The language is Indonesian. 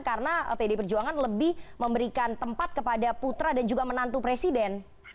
karena pdi perjuangan lebih memberikan tempat kepada putra dan juga menantu presiden